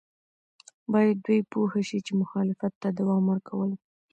باید دوی پوه شي چې مخالفت ته دوام ورکول.